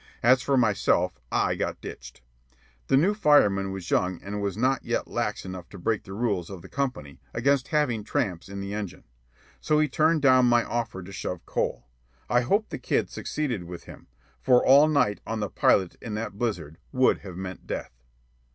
As for myself, I got ditched. The new fireman was young and not yet lax enough to break the rules of the Company against having tramps in the engine; so he turned down my offer to shove coal. I hope the kid succeeded with him, for all night on the pilot in that blizzard would have meant death.